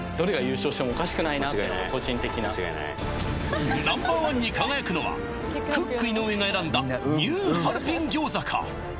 なって個人的なＮｏ．１に輝くのはクック井上。が選んだニューハルピン餃子か？